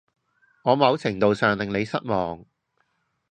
我某程度上令你失望